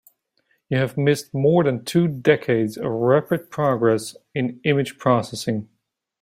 You have missed more than two decades of rapid progress in image processing.